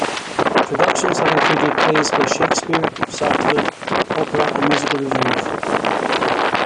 Productions have included plays by Shakespeare, Sartre, opera and musical reviews.